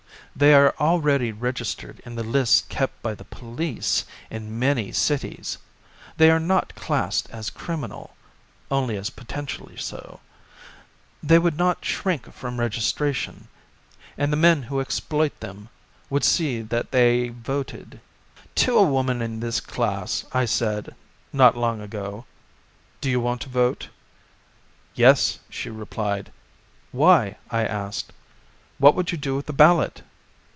They are already registered in the lists kept by the police in many cities ; they are not classed as criminal, only as potentially so; they would not shrink from registration, and the men who exploit them would see that they voted. To a woman of this class I said, not long ago, "Do you want to vote?" "Yes," she replied. "Why?" I asked. "What would you do with the ballot?"